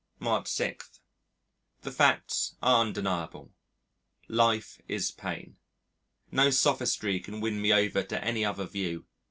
March 6. The facts are undeniable: Life is pain. No sophistry can win me over to any other view.